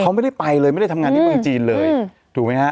เขาไม่ได้ไปเลยไม่ได้ทำงานที่เมืองจีนเลยถูกไหมฮะ